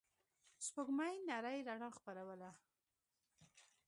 سپوږمۍ نرۍ رڼا خپروله.